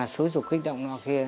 số dục kích động nó kia